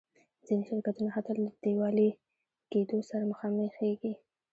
ځینې شرکتونه حتی له ډیوالي کېدو سره مخامخېږي.